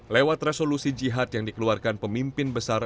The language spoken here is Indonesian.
lewat resolusi jihad yang dikeluarkan pemimpin besar